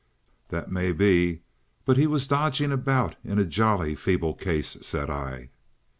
"That may be. But he was dodging about in a jolly feeble case," said I.